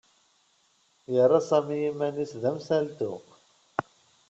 Yerra Sami iman-nnes d amsaltu.